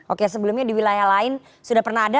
oke sebelumnya di wilayah lain sudah pernah ada